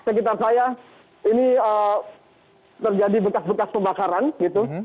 sekitar saya ini terjadi bekas bekas pembakaran gitu